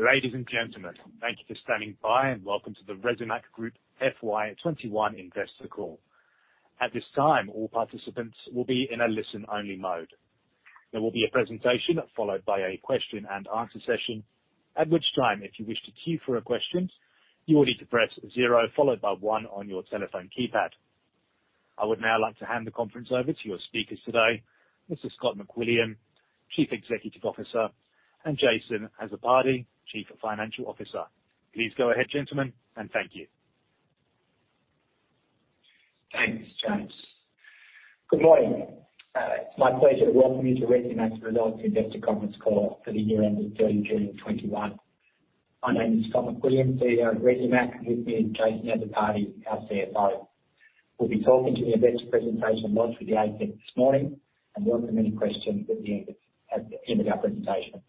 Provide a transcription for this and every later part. Ladies and gentlemen, thank you for standing by. Welcome to the Resimac Group FY 2021 Investor Call. At this time, all participants will be in a listen-only mode. There will be a presentation, followed by a question-and-answer session. At which time, if you wish to key for a question, you will need to press zero followed by one on your telephone keypad. I would now like to hand the conference over to your speakers today, Mr. Scott McWilliam, Chief Executive Officer, and Jason Azzopardi, Chief Financial Officer. Please go ahead, gentlemen, and thank you. Thanks, James. Good morning. It is my pleasure to welcome you to Resimac's results investor conference call for the year ending 30 June 2021. My name is Scott McWilliam, CEO of Resimac, and with me is Jason Azzopardi, our CFO. We will be talking to the investor presentation notes we gave you this morning, and welcome any questions at the end of our presentation.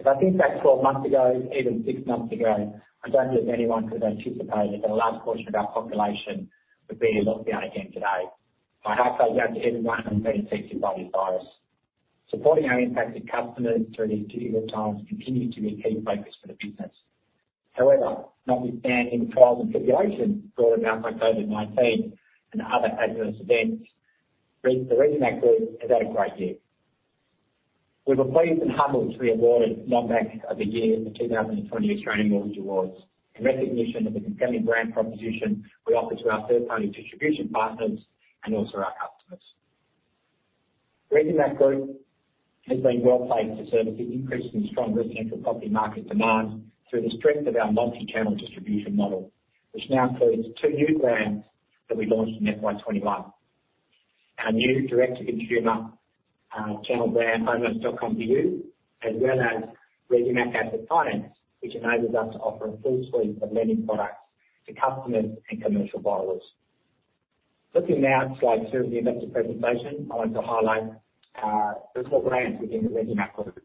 If I think back 12 months ago, even six months ago, I don't think anyone could anticipate that a large portion of our population would be in lockdown again today. My heart goes out to everyone who has been affected by this virus. Supporting our impacted customers through these difficult times continues to be a key focus for the business. However, notwithstanding the trials and tribulations brought about by COVID-19 and other adverse events, the Resimac Group has had a great year. We were pleased and humbled to be awarded Non-Bank of the Year in the 2020 Australian Mortgage Awards, in recognition of the compelling brand proposition we offer to our third-party distribution partners and also our customers. Resimac Group has been well-placed to service the increase in strong residential property market demand through the strength of our multi-channel distribution model, which now includes two new brands that we launched in FY 2021. Our new direct-to-consumer channel brand, homeloans.com.au, as well as Resimac Asset Finance, which enables us to offer a full suite of lending products to customers and commercial borrowers. Looking now at slide two of the investor presentation, I want to highlight the four brands within the Resimac Group.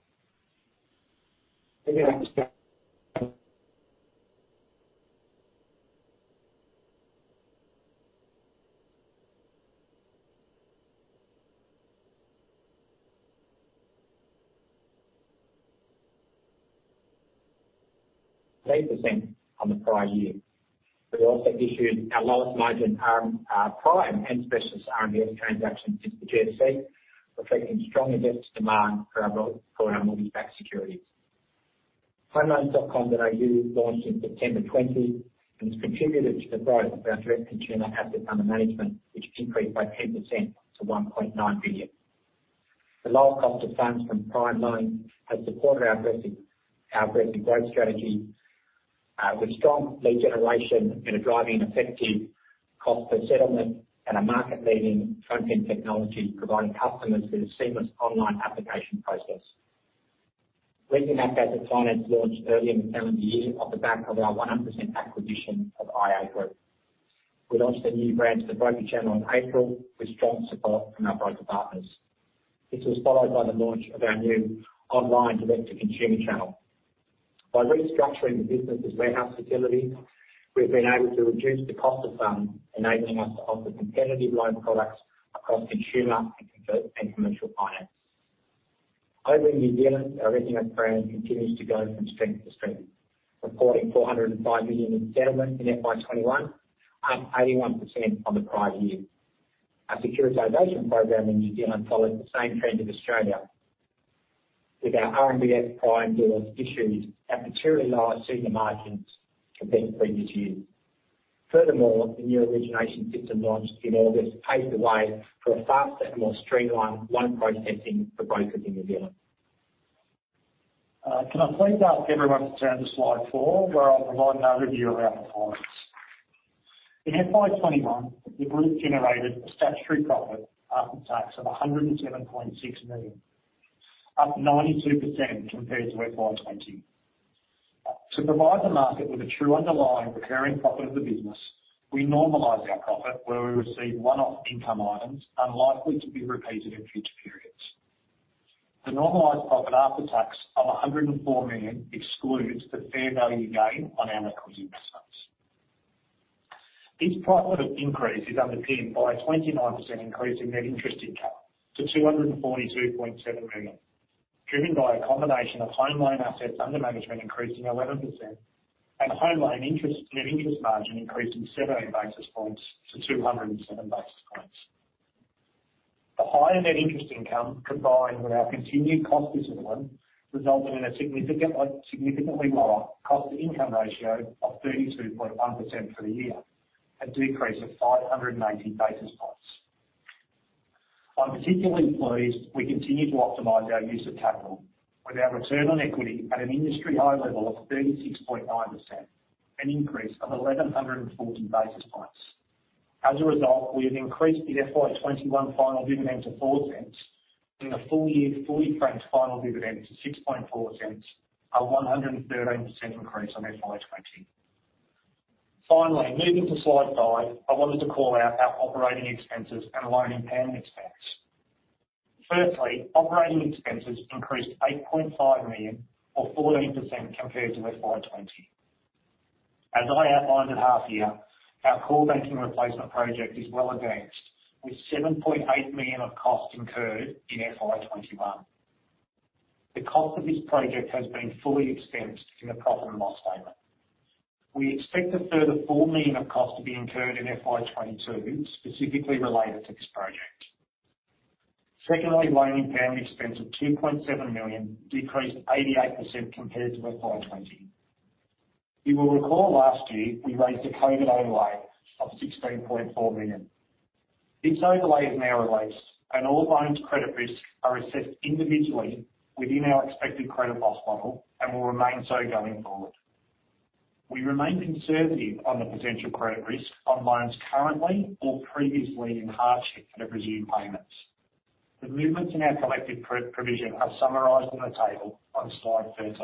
Resimac 8% on the prior year. We've also issued our lowest margin prime and specialist RMBS transaction since the GFC, reflecting strong investor demand for our mortgage-backed securities. homeloans.com.au launched in September 2020 and has contributed to the growth of our direct consumer assets under management, which increased by 10% to 1.9 billion. The lower cost of funds from Prime [line] has supported our aggressive growth strategy, with strong lead generation and a driving effective cost per settlement and a market-leading front-end technology providing customers with a seamless online application process. Resimac Asset Finance launched earlier in the calendar year off the back of our 100% acquisition of IA Group. We launched the new brand to the broker channel in April with strong support from our broker partners. This was followed by the launch of our new online direct-to-consumer channel. By restructuring the business's warehouse facility, we've been able to reduce the cost of funds, enabling us to offer competitive loan products across consumer and commercial finance. Over in New Zealand, our Resimac brand continues to go from strength to strength, reporting 405 million in settlement in FY 2021, up 81% on the prior year. Our securitization program in New Zealand follows the same trend of Australia. With our RMBS Prime deals issued at materially lower senior margins compared to previous years. Furthermore, the new origination system launched in August paved the way for a faster and more streamlined loan processing for brokers in New Zealand. Can I please ask everyone to turn to slide four, where I'll provide an overview of our performance. In FY 2021, the group generated a statutory profit after tax of 107.6 million, up 92% compared to FY 2020. To provide the market with a true underlying recurring profit of the business, we normalize our profit where we receive one-off income items unlikely to be repeated in future periods. The normalized profit after tax of 104 million excludes the fair value gain on our equity investments. This profit increase is underpinned by a 29% increase in net interest income to 242.7 million, driven by a combination of home loan assets under management increasing 11% and home loan net interest margin increasing 7 basis points to 207 basis points. The higher net interest income, combined with our continued cost discipline, resulted in a significantly lower cost-to-income ratio of 32.1% for the year, a decrease of 590 basis points. I'm particularly pleased we continue to optimize our use of capital with our return on equity at an industry-high level of 36.9%, an increase of 1,140 basis points. As a result, we have increased the FY 2021 final dividend to 0.04 and the full-year fully franked final dividend to 0.064, a 113% increase on FY 2020. Finally, moving to slide five, I wanted to call out our operating expenses and loan impairment expense. Firstly, operating expenses increased 8.5 million or 14% compared to FY 2020. As I outlined at half year, our core banking replacement project is well advanced with 7.8 million of costs incurred in FY 2021. The cost of this project has been fully expensed in the profit and loss statement. We expect a further 4 million of cost to be incurred in FY 2022, specifically related to this project. Secondly, loan impairment expense of 2.7 million, decreased 88% compared to FY 2020. You will recall last year, we raised a COVID overlay of 16.4 million. This overlay is now released, and all loans credit risk are assessed individually within our expected credit loss model and will remain so going forward. We remain conservative on the potential credit risk on loans currently or previously in hardship that resume payments. The movements in our collective provision are summarized in a table on slide 13.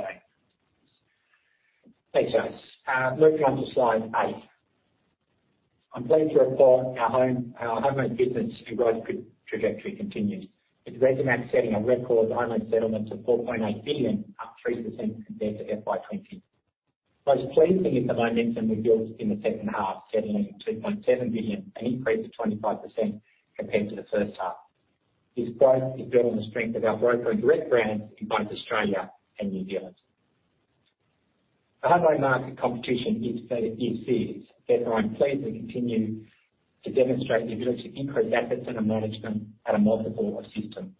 Thanks, Jas. Moving on to slide eight. I'm pleased to report our home loan business growth trajectory continues, with Resimac setting a record home loan settlement of 4.8 billion, up 3% compared to FY 2020. Most pleasing is the momentum we built in the second half, settling 2.7 billion, an increase of 25% compared to the first half. This growth is built on the strength of our broker and direct brands in both Australia and New Zealand. The home loan market competition is fierce, therefore I'm pleased we continue to demonstrate the ability to increase assets under management at a multiple of system.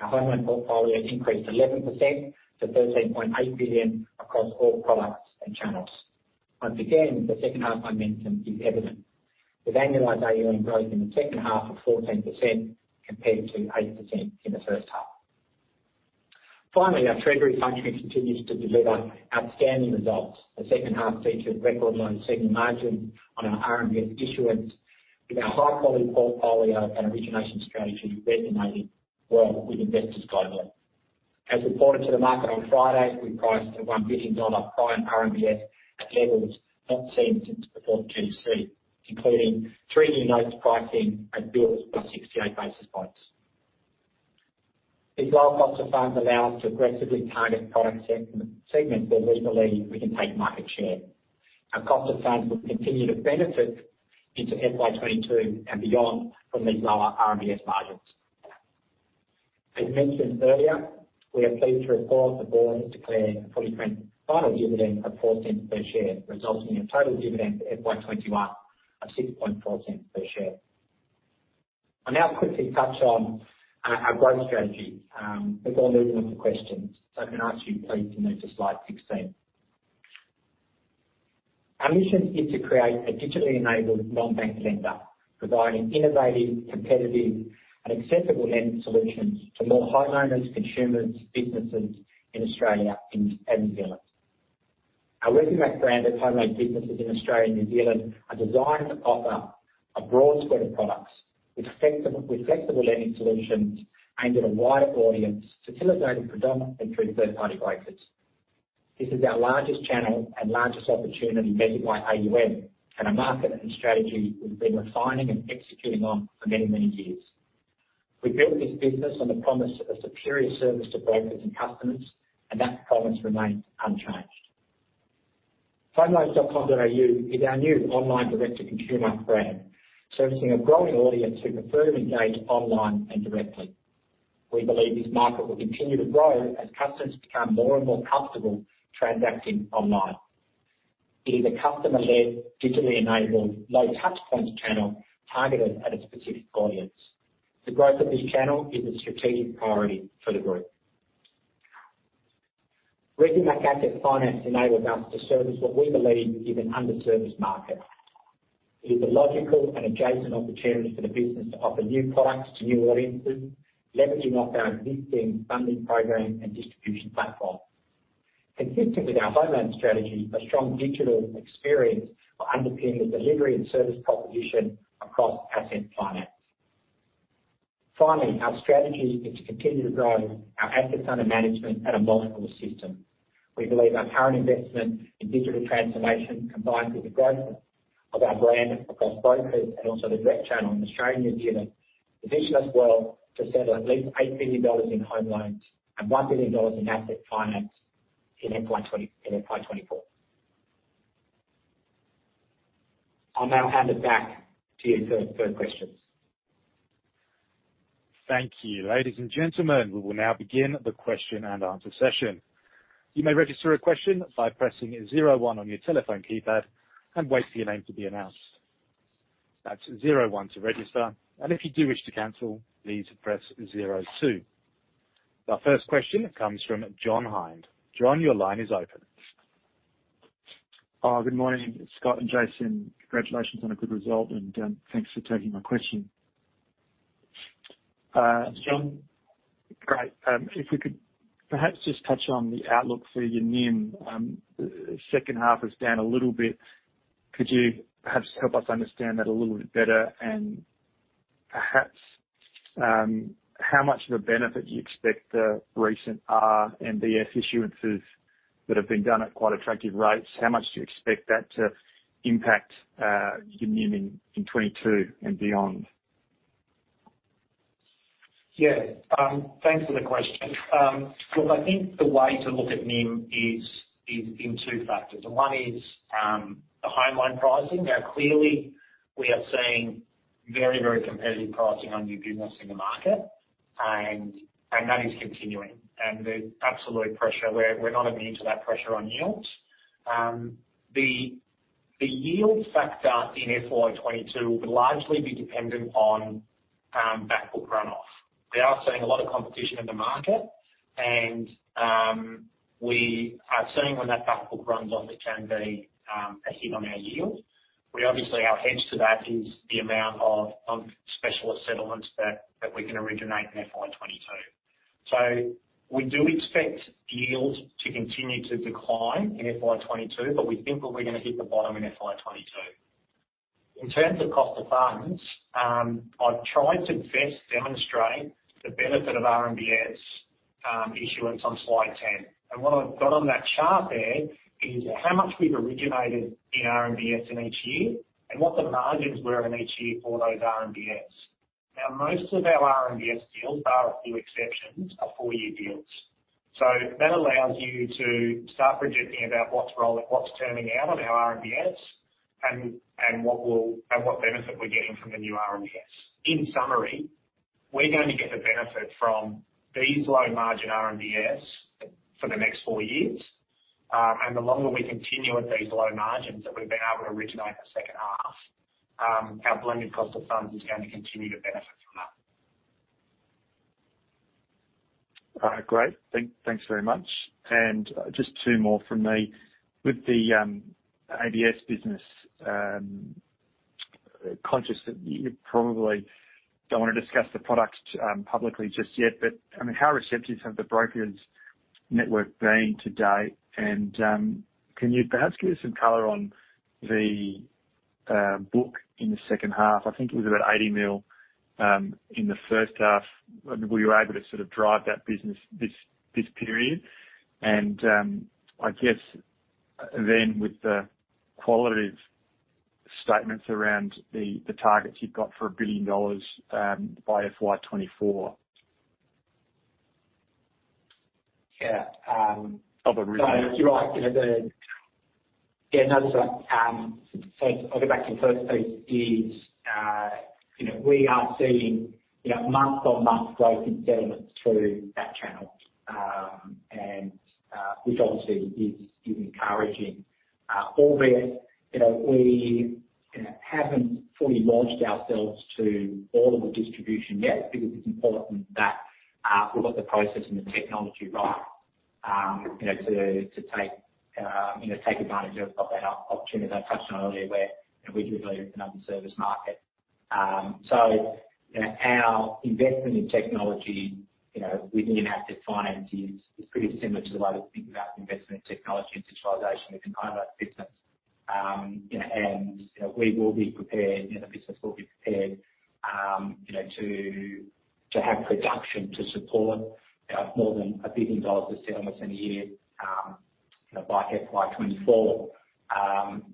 Our home loan portfolio increased 11% to 13.8 billion across all products and channels. Once again, the second half momentum is evident, with annualized AUM growth in the second half of 14% compared to 8% in the first half. Finally, our treasury function continues to deliver outstanding results. The second half featured record low senior margin on our RMBS issuance with our high-quality portfolio and origination strategy resonating well with investors globally. As reported to the market on Friday, we priced a 1 billion dollar Prime RMBS at levels not seen since before GFC, including three new notes pricing at bills plus 68 basis points. These lower cost of funds allow us to aggressively target product segments where we believe we can take market share. Our cost of funds will continue to benefit into FY 2022 and beyond from these lower RMBS margins. As mentioned earlier, we are pleased to report the Board has declared a fully franked final dividend of 0.04 per share, resulting in total dividends for FY 2021 of 0.064 per share. I'll now quickly touch on our growth strategy before moving on to questions. Can I ask you please to move to slide 16? Our mission is to create a digitally enabled non-bank lender, providing innovative, competitive and acceptable lending solutions to more homeowners, consumers, businesses in Australia and New Zealand. Our Resimac branded home loan businesses in Australia and New Zealand are designed to offer a broad spread of products with flexible lending solutions aimed at a wider audience, facilitated predominantly through third party brokers. This is our largest channel and largest opportunity measured by AUM and a market and strategy we've been refining and executing on for many, many years. We built this business on the promise of a superior service to brokers and customers, and that promise remains unchanged. homeloans.com.au is our new online direct-to-consumer brand, servicing a growing audience who prefer to engage online and directly. We believe this market will continue to grow as customers become more and more comfortable transacting online. It is a customer-led, digitally enabled, low touchpoints channel targeted at a specific audience. The growth of this channel is a strategic priority for the Group. Resimac Asset Finance enables us to service what we believe is an under-serviced market. It is a logical and adjacent opportunity for the business to offer new products to new audiences, leveraging off our existing funding program and distribution platform. Consistent with our home loan strategy, a strong digital experience will underpin the delivery and service proposition across asset finance. Finally, our strategy is to continue to grow our assets under management at a multiple of system. We believe our current investment in digital transformation, combined with the growth of our brand across brokers and also the direct channel in Australia and New Zealand, positions us well to settle at least 8 billion dollars in home loans and 1 billion dollars in asset finance in FY 2024. I'll now hand it back to you for questions. Thank you. Ladies and gentlemen, we will now begin the question-and-answer session. You may register a question by pressing zero one on your telephone keypad, and wait for your name to be announced. That's zero one to register. If you do wish to cancel, please press zero two. Our first question comes from [John Hind]. [John], your line is open. Good morning, Scott and Jason. Congratulations on a good result. Thanks for taking my question. Thanks, [John]. Great. If we could perhaps just touch on the outlook for your NIM. Second half is down a little bit. Could you perhaps help us understand that a little bit better? Perhaps, how much of a benefit do you expect the recent RMBS issuances that have been done at quite attractive rates, how much do you expect that to impact your NIM in 2022 and beyond? Yeah. Thanks for the question. Look, I think the way to look at NIM is in two factors. One is the home loan pricing. Clearly, we are seeing very competitive pricing on new business in the market. That is continuing. There's absolutely pressure. We're not immune to that pressure on yields. The yield factor in FY 2022 will largely be dependent on back book run-off. We are seeing a lot of competition in the market. We are seeing when that back book runs off, it can be a hit on our yield. Obviously, our hedge to that is the amount of specialist settlements that we can originate in FY 2022. We do expect yields to continue to decline in FY 2022, we think that we're going to hit the bottom in FY 2022. In terms of cost of funds, I've tried to best demonstrate the benefit of RMBS issuance on slide 10. What I've got on that chart there is how much we've originated in RMBS in each year and what the margins were in each year for those RMBS. Now, most of our RMBS deals, bar a few exceptions, are four-year deals. That allows you to start projecting about what's rolling, what's turning out of our RMBS, and what benefit we're getting from the new RMBS. In summary, we're going to get the benefit from these low-margin RMBS for the next four years. The longer we continue at these low margins that we've been able to originate in the second half, our blended cost of funds is going to continue to benefit from that. All right, great. Thanks very much. Just two more from me. With the ABS business, conscious that you probably don't want to discuss the product publicly just yet. How receptive have the brokerage network been to date? Can you perhaps give us some color on the book in the second half? I think it was about 80 million in the first half. Were you able to sort of drive that business this period? I guess with the qualitative statements around the targets you've got for 1 billion dollars by FY 2024- Yeah.... of origination. You're right. I'll go back to the first piece is, we are seeing month-on-month growth in settlements through that channel, and which obviously is encouraging. Albeit, we haven't fully launched ourselves to all of the distribution yet because it's important that we've got the process and the technology right, to take advantage of that opportunity I touched on earlier, where we do believe there's an underserviced market. Our investment in technology within asset finance is pretty similar to the way we think about investment in technology and digitalization within home loan business. We will be prepared, the business will be prepared, to have production to support more than 1 billion dollars of settlements in a year by FY 2024.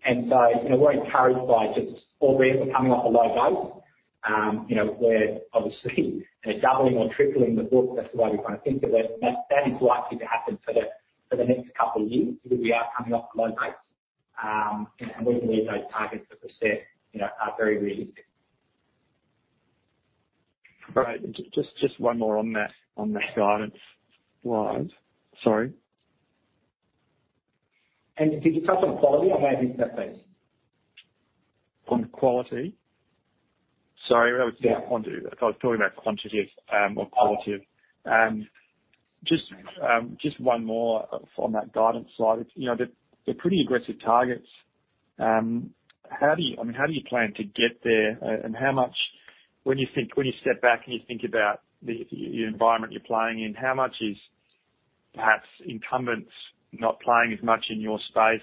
We're encouraged by just, albeit, we're coming off a low base, where obviously doubling or tripling the book, that's the way we kind of think of it. That is likely to happen for the next couple of years because we are coming off low base. We believe those targets that we've set are very realistic. All right. Just one more on that guidance slide. Sorry. Did you touch on quality? I might have missed that bit. On quality? Sorry, I was talking about quantitative, or qualitative. Just one more on that guidance slide. They're pretty aggressive targets. How do you plan to get there? When you step back and you think about the environment you're playing in, how much is perhaps incumbents not playing as much in your space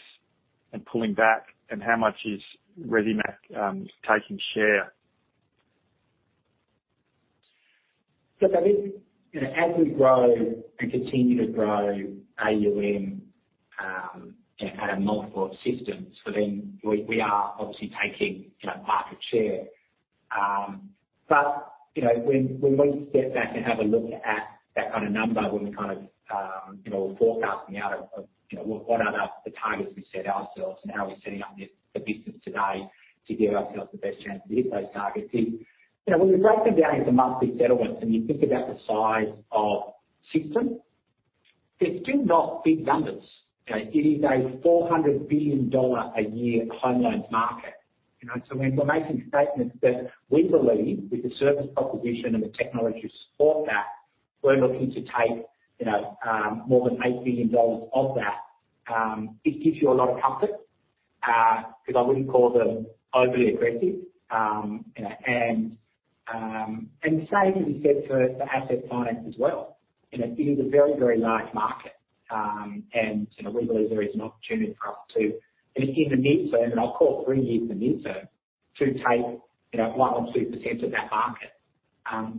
and pulling back? How much is Resimac taking share? Look, I think as we grow and continue to grow AUM at a multiple of systems, we are obviously taking market share. When we step back and have a look at that kind of number, when we kind of, we're forecasting out of what are the targets we've set ourselves. How we're setting up the business today to give ourselves the best chance to hit those targets is, when you break them down into monthly settlements and you think about the size of systems, they're still not big numbers. It is a 400 billion dollar a year home loans market. When we're making statements that we believe, with the service proposition and the technology to support that, we're looking to take more than 8 billion dollars of that. It gives you a lot of comfort, because I wouldn't call them overly aggressive. The same can be said for asset finance as well. It is a very large market. We believe there is an opportunity for us to, in the near term, and I'll call three years the near term, to take 1% or 2% of that market.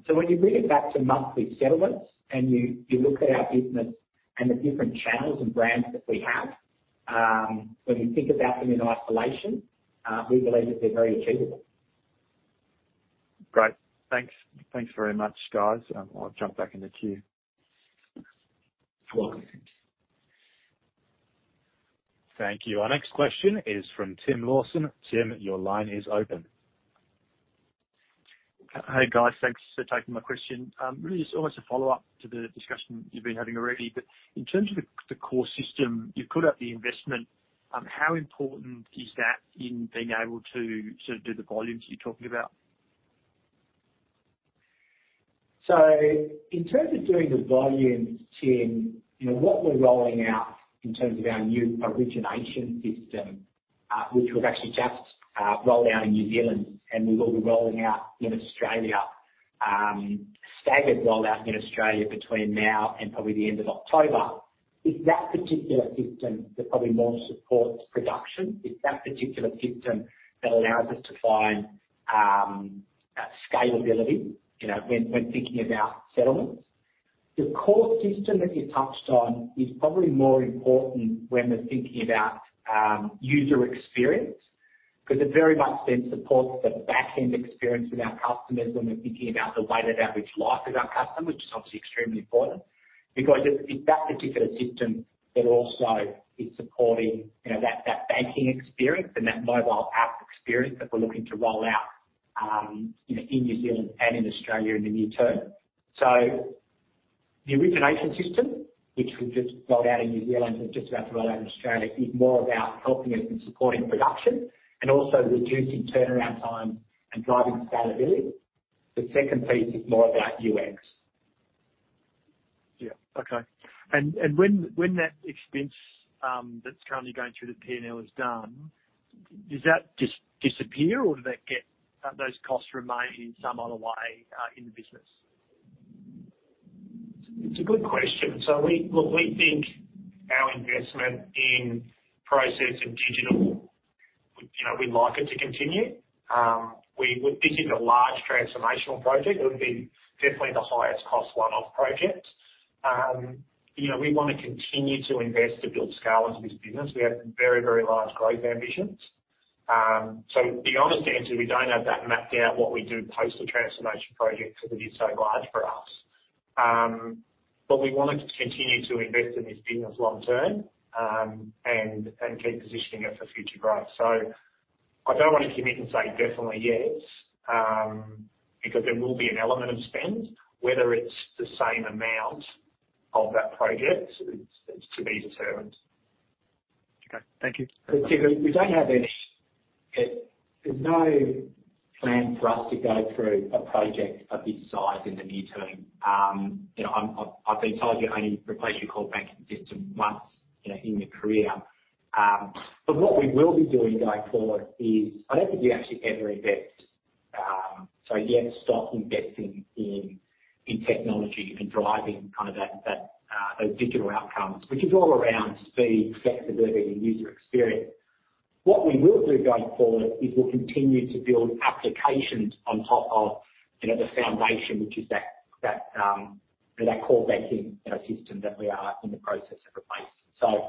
When you bring it back to monthly settlements and you look at our business and the different channels and brands that we have, when you think about them in isolation, we believe that they're very achievable. Great. Thanks very much, guys. I'll jump back in the queue. Welcome. Thank you. Our next question is from Tim Lawson. Tim, your line is open. Hey, guys. Thanks for taking my question. Really, it's almost a follow-up to the discussion you've been having already. In terms of the core system, you've put up the investment. How important is that in being able to do the volumes you're talking about? In terms of doing the volumes, Tim, what we're rolling out in terms of our new origination system, which we've actually just rolled out in New Zealand, and we will be rolling out in Australia, staggered rollout in Australia between now and probably the end of October. It's that particular system that probably more supports production. It's that particular system that allows us to find scalability when thinking about settlements. The core system that you touched on is probably more important when we're thinking about user experience, because it very much then supports the back-end experience with our customers when we're thinking about the weighted average life of our customer, which is obviously extremely important because it's that particular system that also is supporting that banking experience and that mobile app experience that we're looking to roll out in New Zealand and in Australia in the near term. The origination system, which we've just rolled out in New Zealand and just about to roll out in Australia, is more about helping us in supporting production and also reducing turnaround time and driving scalability. The second piece is more about UX. Yeah. Okay. When that expense that's currently going through the P&L is done, does that just disappear, or do those costs remain in some other way in the business? It's a good question. Look, we think our investment in process and digital, we'd like it to continue. This is a large transformational project. It would be definitely the highest cost one-off project. We want to continue to invest to build scale into this business. We have very, very large growth ambitions. The honest answer, we don't have that mapped out what we do post the transformation project because it is so large for us. We want to continue to invest in this business long term, and keep positioning it for future growth. I don't want to commit and say definitely yes, because there will be an element of spend. Whether it's the same amount of that project is to be determined. Okay. Thank you. Look, Tim, there's no plan for us to go through a project of this size in the near term. I've been told you only replace your core banking system once in your career. What we will be doing going forward is, I don't think we actually ever invest. Yes, stop investing in technology and driving those digital outcomes, which is all around speed, flexibility, and user experience. What we will do going forward is we'll continue to build applications on top of the foundation, which is that core banking system that we are in the process of replacing.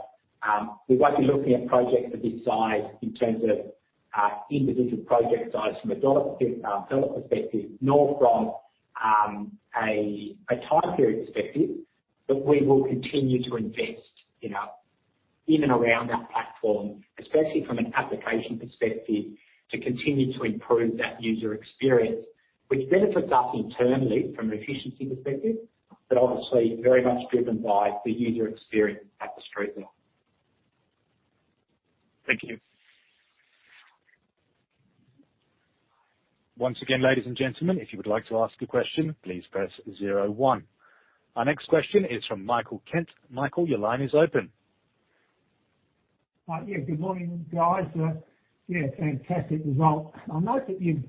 We won't be looking at projects of this size in terms of individual project size from a dollar perspective, nor from a time period perspective. We will continue to invest in and around that platform, especially from an application perspective, to continue to improve that user experience, which benefits us internally from an efficiency perspective. Obviously, very much driven by the user experience at the street level. Thank you. Once again, ladies and gentlemen, if you would like to ask a question, please press zero one. Our next question is from Michael Kent. Michael, your line is open. Yeah, good morning, guys. Yeah, fantastic result. I note that you've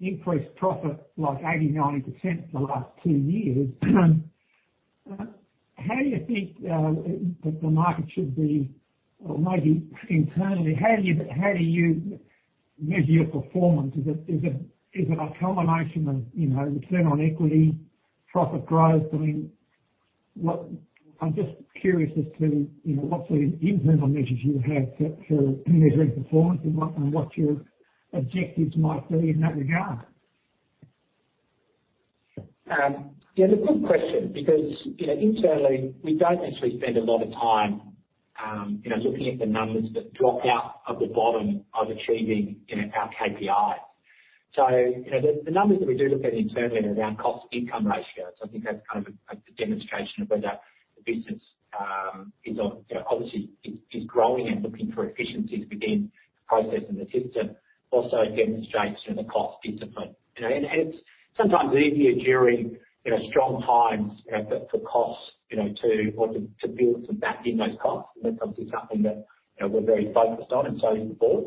increased profit, like, 89% the last two years. Maybe internally, how do you measure your performance? Is it a combination of return on equity, profit growth? I'm just curious as to what sort of internal measures you have for measuring performance and what your objectives might be in that regard. Yeah. That's a good question, because internally, we don't actually spend a lot of time looking at the numbers that drop out of the bottom of achieving our KPIs. The numbers that we do look at internally are around cost income ratios. I think that's kind of a demonstration of whether the business obviously is growing and looking for efficiencies within the process and the system, also demonstrates the cost discipline. It's sometimes easier during strong times for costs to build, to back in those costs. That's obviously something that we're very focused on, and so is the Board.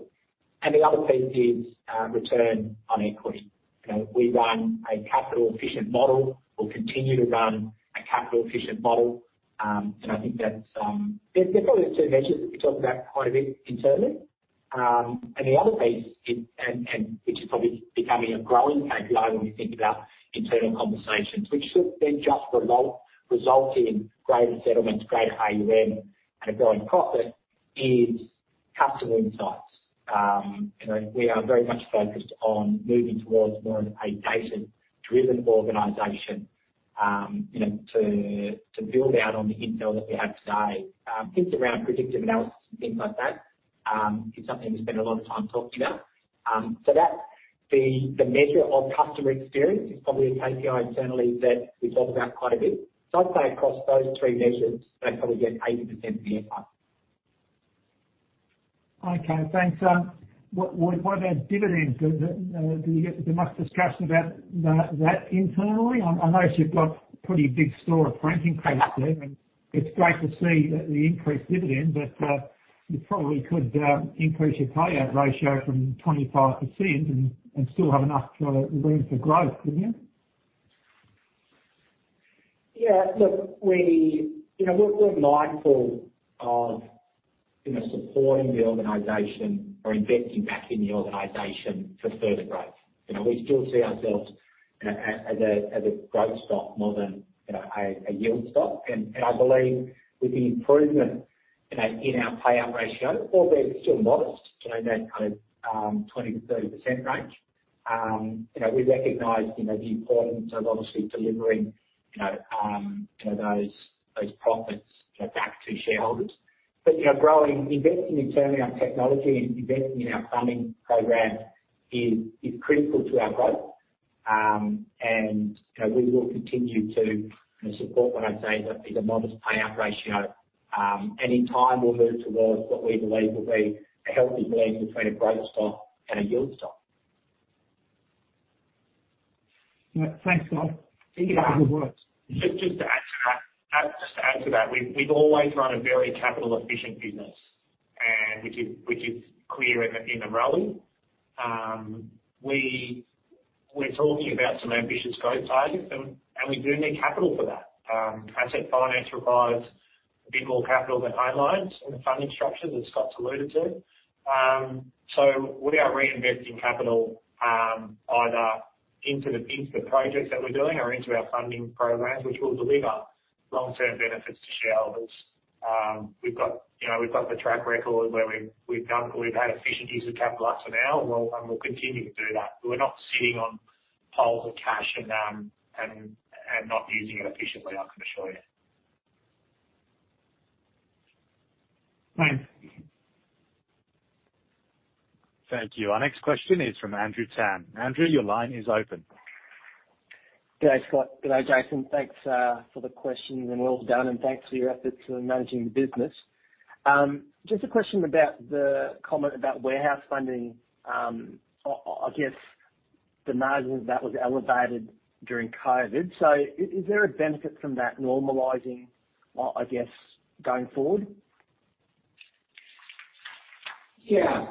The other piece is return on equity. We run a capital efficient model. We'll continue to run a capital efficient model. They're probably the two measures that we talk about quite a bit internally. The other piece, and which is probably becoming a growing tagline when you think about internal conversations, which should then just result in greater settlements, greater AUM and a growing profit, is customer insights. We are very much focused on moving towards more of a data-driven organization, to build out on the intel that we have today. Things around predictive analysis and things like that is something we spend a lot of time talking about. That, the measure of customer experience is probably a KPI internally that we talk about quite a bit. I'd say across those three measures, they probably get 80% of the air time. Okay, thanks. What about dividends? Do you get much discussion about that internally? I notice you've got a pretty big store of franking credits there. It's great to see the increased dividend, but you probably could increase your payout ratio from 25% and still have enough room for growth, couldn't you? Yeah, look, we're mindful of supporting the organization or investing back in the organization for further growth. We still see ourselves as a growth stock more than a yield stock. I believe with the improvement in our payout ratio, albeit still modest, in that kind of 20%-30% range. We recognize the importance of obviously delivering those profits back to shareholders. Growing, investing internally on technology and investing in our funding program is critical to our growth. We will continue to support what I say is a modest payout ratio. In time, we'll move towards what we believe will be a healthy blend between a growth stock and a yield stock. Right. Thanks, Scott. Good work. Just to add to that. We've always run a very capital-efficient business, which is clear in the rally. We're talking about some ambitious growth targets. We do need capital for that. Asset finance requires a bit more capital than home loans and the funding structures that Scott's alluded to. We are reinvesting capital, either into the projects that we're doing or into our funding programs, which will deliver long-term benefits to shareholders. We've got the track record, where we've had efficient use of capital up to now. We'll continue to do that. We're not sitting on piles of cash and not using it efficiently, I can assure you. Thanks. Thank you. Our next question is from Andrew Tan. Andrew, your line is open. Goodday, Scott. Good day, Jason. Thanks for the questions and well done, and thanks for your efforts in managing the business. Just a question about the comment about warehouse funding. I guess the margin of that was elevated during COVID. Is there a benefit from that normalizing, I guess, going forward? Yeah.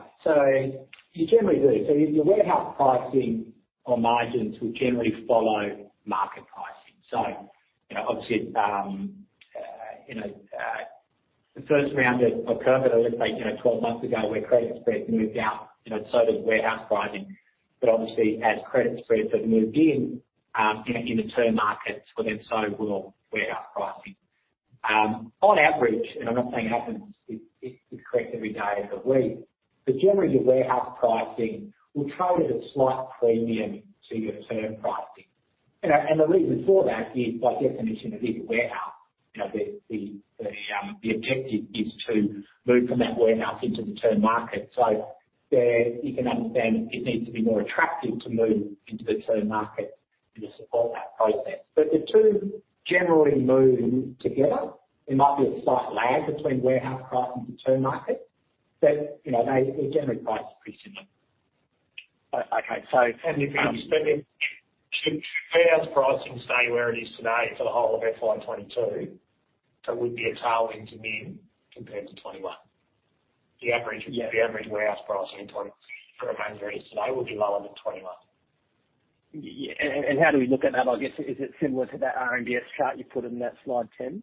You generally do. Your warehouse pricing or margins will generally follow market pricing. Obviously, the first round of COVID, I would say 12 months ago, where credit spreads moved out, so did warehouse pricing. Obviously as credit spreads have moved in the term markets, so will warehouse pricing. On average, and I'm not saying it happens, it's correct every day of the week. Generally, your warehouse pricing will trade at a slight premium to your term pricing. The reason for that is, by definition, it is a warehouse. The objective is to move from that warehouse into the term market. There you can understand it needs to be more attractive to move into the term market and to support that process. The two generally move together. There might be a slight lag between warehouse pricing and term market, but they generally price pretty similarly. Okay. If you're expecting warehouse pricing to stay where it is today for the whole of FY 2022, there would be a tailwind to NIM compared to FY 2021. The average- Yeah. The average warehouse pricing for a would be lower than 2021. How do we look at that? I guess, is it similar to that RMBS chart you put in that slide 10?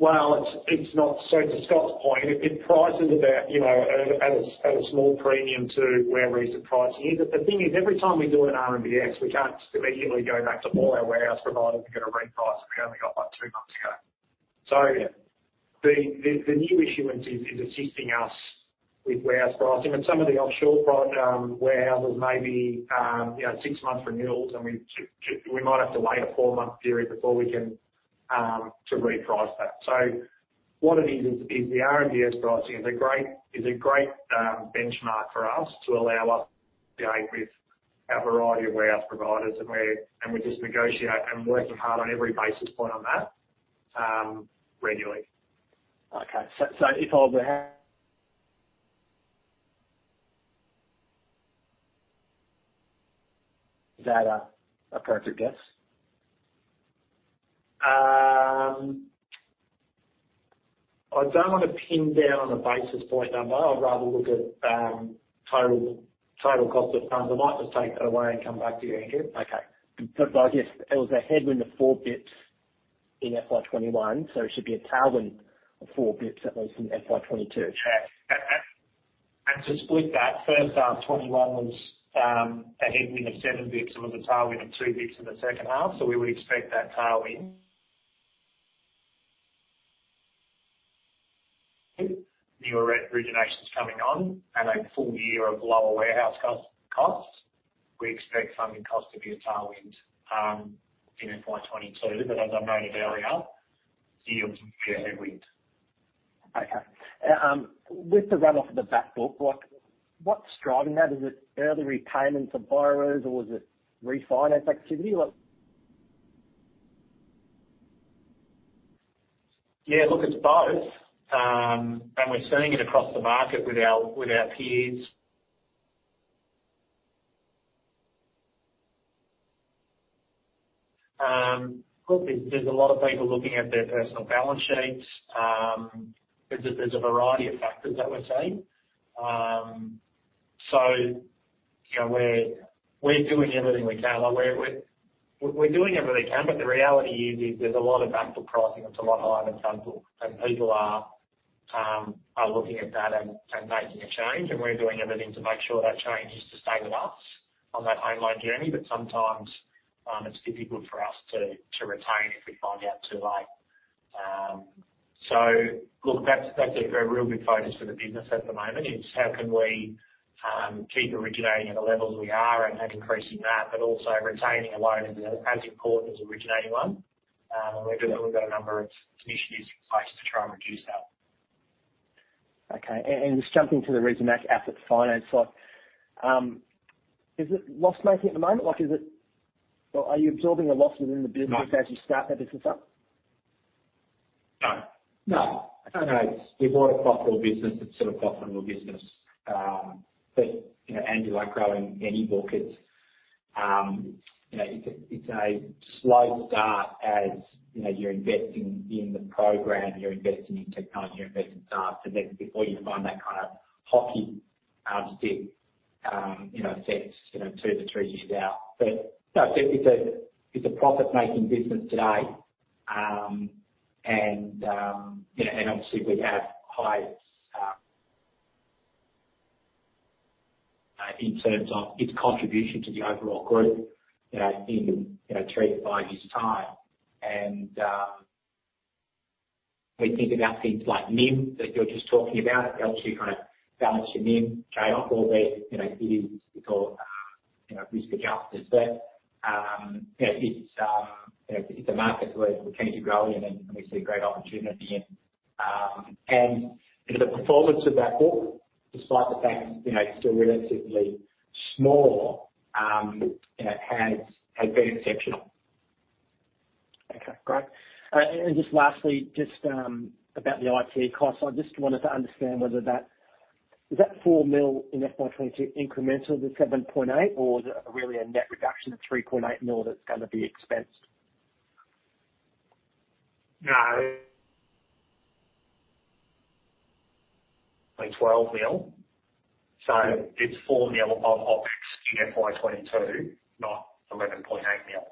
Well, it's not. To Scott's point, if price is at a small premium to where recent pricing is. The thing is, every time we do an RMBS, we can't just immediately go back to all our warehouse providers and get a reprice that we only got two months ago. The new issuance is assisting us with warehouse pricing. Some of the offshore warehouses may be six months renewals, and we might have to wait a four-month period before we can reprice that. What it is the RMBS pricing is a great benchmark for us to allow us to act with our variety of warehouse providers, and we just negotiate and work hard on every basis point on that, regularly. Is that a perfect guess? I don't want to pin down on a basis point number. I'd rather look at total cost of funds. I might just take that away and come back to you, Andrew. Okay. I guess it was a headwind of 4 basis points in FY 2021, so it should be a tailwind of 4 basis points, at least, in FY 2022. Yeah. To split that first half 2021 was a headwind of 7 basis points and was a tailwind of 2 basis points in the second half. We would expect that tailwind, new originations coming on and a full year of lower warehouse costs. We expect funding costs to be a tailwind in FY 2022, as I noted earlier, yields will be a headwind. With the run off of the back book, what's driving that? Is it early repayments of borrowers, or is it refinance activity? It's both. We're seeing it across the market with our peers. There's a lot of people looking at their personal balance sheets. There's a variety of factors that we're seeing. We're doing everything we can, but the reality is there's a lot of back book pricing that's a lot higher than front book. People are looking at that and making a change, and we're doing everything to make sure that change is to stay with us on that home loan journey. Sometimes, it's difficult for us to retain if we find out too late. That's a real big focus for the business at the moment, is how can we keep originating at the levels we are and increasing that, but also retaining a loan is as important as originating one. We've got a number of initiatives in place to try and reduce that. Okay. Just jumping to the Resimac Asset Finance side. Is it loss-making at the moment? Are you absorbing a loss within the business- No.... as you start that business up? No. I don't know. We bought a profitable business. It is still a profitable business. Andrew, like growing any book, it is a slow start as you are investing in the program. You are investing in technology. You are investing in staff. Then before you find that kind of hockey stick, it takes two to three years out. No, it is a profit-making business today. Obviously, we have high in terms of its contribution to the overall group in three to five years' time. We think about things like NIM that you are just talking about. It helps you kind of balance your NIM trade-off, albeit, it is risk adjusted. It is a market we are keen to grow and we see great opportunity in. The performance of that book, despite the fact it is still relatively small, has been exceptional. Okay, great. Just lastly, just about the IT costs. I just wanted to understand whether that... Is that 4 million in FY 2022 incremental to 7.8 million, or is it really a net reduction of 3.8 million that's going to be expensed? No. 12 million. It's 4 million of OpEx in FY 2022, not 11.8 million.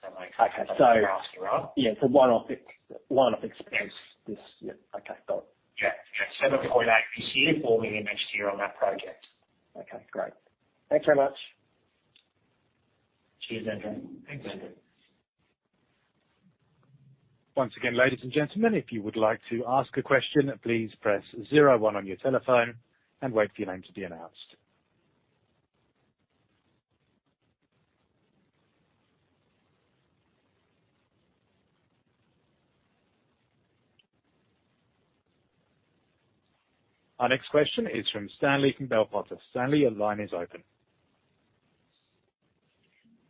Okay. That's what you're asking, right? Yeah, for one-off expense this year. Okay, got it. Yeah. 7.8 million this year, AUD 4 million next year on that project. Okay, great. Thanks very much. Cheers, Andrew. Thanks, Andrew. Once again, ladies and gentlemen. If you would like to ask a question, please press zero one on your telephone and wait for your name to be announced. Our next question is from [Stanley] from Bell Potter. Stanley, your line is open.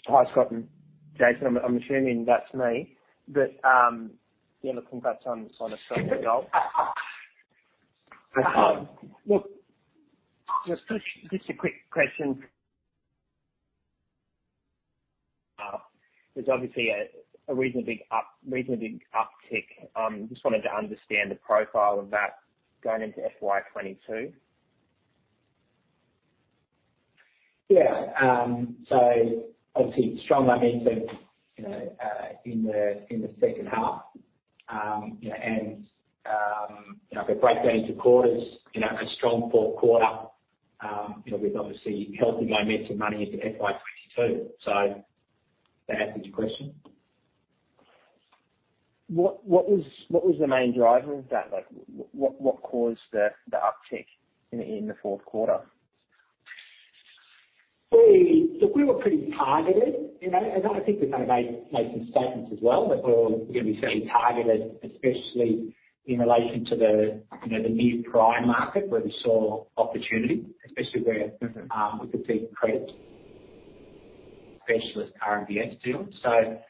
Hi, Scott and Jason. I'm assuming that's me. Yeah, congrats on a good result. Look, just a quick question. There's obviously a reasonably big uptick, just wanted to understand the profile of that going into FY 2022? Yeah. Obviously, strong momentum in the second half. If we break down into quarters, a strong fourth quarter, with obviously healthy momentum running into FY 2022. That answers your question? What was the main driver of that? What caused the uptick in the fourth quarter? Look, we were pretty targeted. I think we kind of made some statements as well, that we're going to be fairly targeted, especially in relation to the near prime market where we saw opportunity, especially where we could see credit specialist RMBS deals. It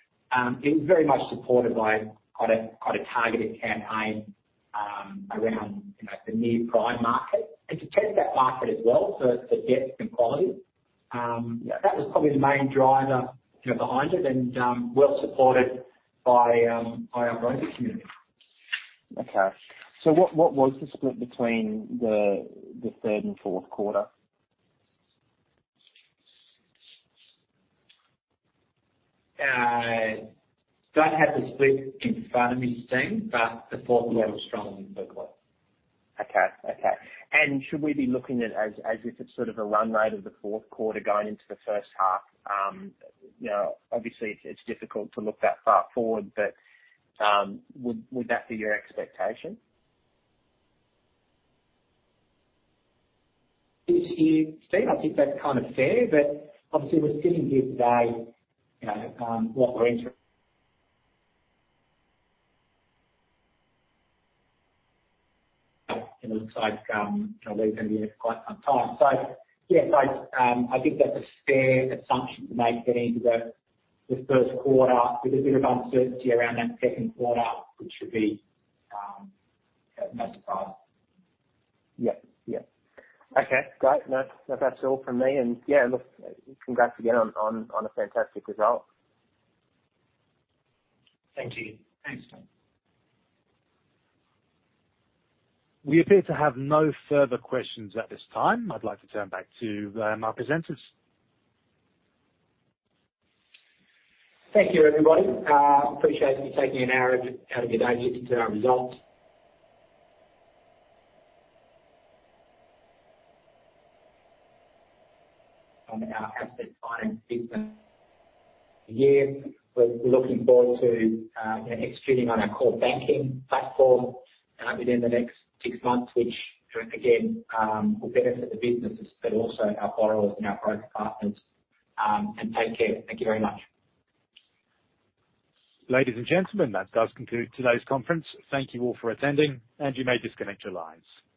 was very much supported by quite a targeted campaign around the near prime market. To test that market as well for depth and quality. Yeah, that was probably the main driver behind it, and well supported by our broker community. Okay. What was the split between the third and fourth quarter? I don't have the split in front of me, Steve, but the fourth quarter was stronger than the third quarter. Okay. Should we be looking at it as if it's sort of a run rate of the fourth quarter going into the first half? Obviously, it's difficult to look that far forward, but would that be your expectation? Look, Steve, I think that's kind of fair. But obviously we're sitting here today, what we're entering and it looks like they're going to be here for quite some time. Yeah, I think that's a fair assumption to make getting into the first quarter with a bit of uncertainty around that second quarter, which should be no surprise. Yeah. Okay, great. That's all from me. Yeah, look, congrats again on a fantastic result. Thank you. Thanks. We appear to have no further questions at this time. I'd like to turn back to my presenters. Thank you, everybody. Appreciate you taking an hour out of your day to listen to our results. On our asset finance business year. We're looking forward to executing on our core banking platform within the next six months, which, again, will benefit the businesses, but also our borrowers, and our broker partners. Take care. Thank you very much. Ladies and gentlemen, that does conclude today's conference. Thank you all for attending. You may disconnect your lines.